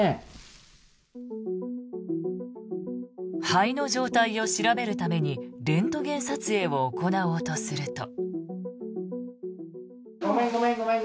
肺の状態を調べるためにレントゲン撮影を行おうとすると。